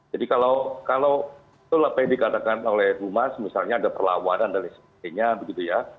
jadi kalau itu lebih dikatakan oleh rumah misalnya ada perlawanan dan sebagainya